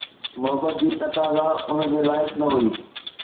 محبت جي تقاضا ان جي لائق نه هئي